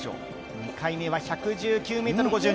２回目は１１９．５ｍ。